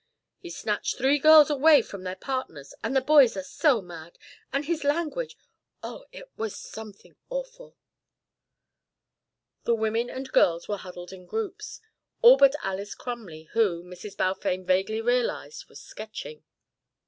He snatched three girls away from their partners, and the boys are so mad. And his language oh, it was something awful." The women and girls were huddled in groups, all but Alys Crumley, who, Mrs. Balfame vaguely realised, was sketching.